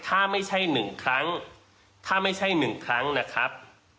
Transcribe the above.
ถ้าไม่ใช่หนึ่งครั้งถ้าไม่ใช่หนึ่งครั้งนะครับ